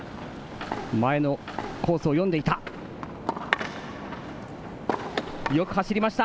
前のコースを読んでいた。